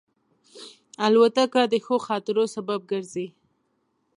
الوتکه د ښو خاطرو سبب ګرځي.